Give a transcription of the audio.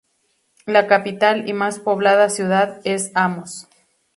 La capital y más poblada ciudad es Amos.